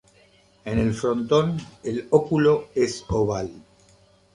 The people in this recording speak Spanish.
En el frontón, el óculo es oval.